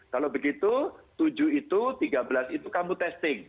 kalau begitu tujuh itu tiga belas itu kamu testing